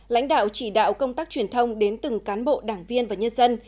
lãnh đạo chỉ đạo công tác truyền thông đến từng cán bộ đảng viên và nhân dân